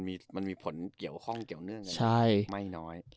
มันมีผลเกี่ยวข้องเกี่ยวเนื่องกันไม่น้อย